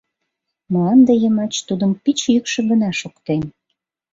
Мланде йымач тудын пич йӱкшӧ гына шоктен: